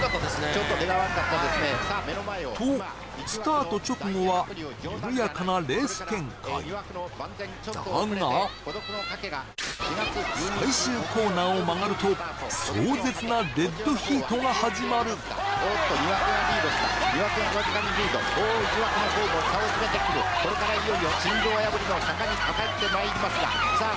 ちょっと出が悪かったですねとスタート直後はゆるやかなレース展開だが最終コーナーを曲がると壮絶なデッドヒートが始まるおーっと２枠がリードした２枠がわずかにリード１枠の方も差を詰めてくるこれからいよいよ心臓破りの坂にかかってまいりますがさあ